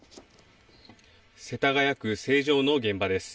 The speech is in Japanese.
世田谷区成城の現場です。